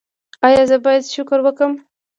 ایا زه باید شکر وکړم؟